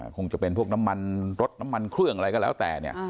คงจะเป็นพวกน้ำมันรสน้ำมันเครื่องอะไรก็แล้วแต่เนี่ย